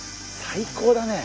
最高だよ。